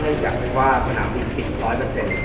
เนื่องจากที่ว่าสนามวิทย์ปิด๑๐๐